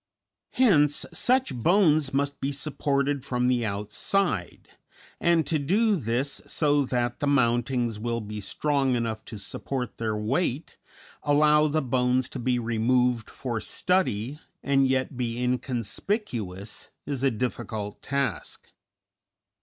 Hence such bones must be supported from the outside, and to do this so that the mountings will be strong enough to support their weight, allow the bones to be removed for study, and yet be inconspicuous, is a difficult task.